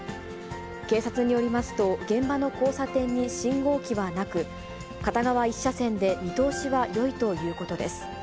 警察によりますと、現場の交差点に信号機はなく、片側１車線で見通しはよいということです。